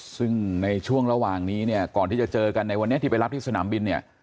ซึ่งในช่วงระหว่างนี้เนี่ยก่อนที่จะเจอกันในวันนี้ที่ไปรับที่สนามบินเนี่ย